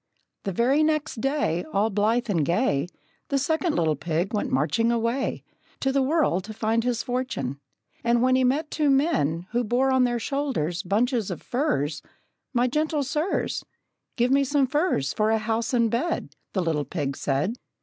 The very next day, All blithe and gay, The second little pig went marching away To the world to find his fortune. And when He met two men, Who bore on their shoulders bunches of furze, "My gentle sirs, Give me some furze for a house and bed!" The little pig said.